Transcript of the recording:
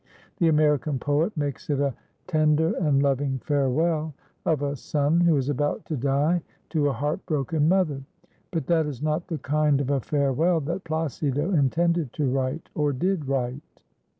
The American poet makes it a tender and loving farewell of a son who is about to die to a heart broken mother; but that is not the kind of a farewell that Plácido intended to write or did write.